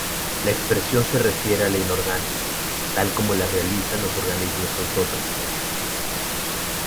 La expresión se refiere a la inorgánica", tal como la realizan los organismos autótrofos.